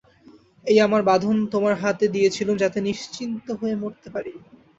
এই আমার বাঁধন তোমার হাতে দিয়েছিলুম যাতে নিশ্চিন্ত হয়ে মরতে পারি।